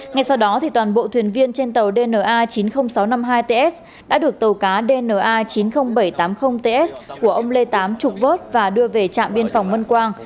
ngay sau đó toàn bộ thuyền viên trên tàu dna chín mươi nghìn sáu trăm năm mươi hai ts đã được tàu cá dna chín mươi nghìn bảy trăm tám mươi ts của ông lê tám trục vớt và đưa về trạm biên phòng mân quang